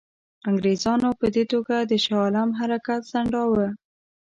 انګرېزانو په دې توګه د شاه عالم حرکت ځنډاوه.